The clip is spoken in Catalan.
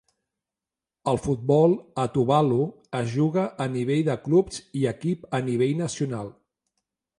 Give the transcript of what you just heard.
El futbol a Tuvalu es juga a nivell de clubs i equip a nivell nacional.